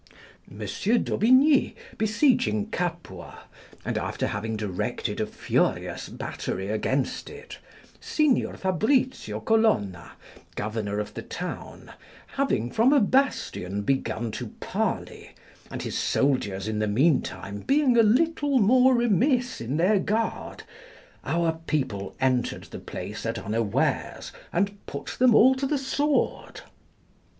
Monsieur d'Aubigny, besieging Capua, and after having directed a furious battery against it, Signor Fabricio Colonna, governor of the town, having from a bastion begun to parley, and his soldiers in the meantime being a little more remiss in their guard, our people entered the place at unawares, and put them all to the sword.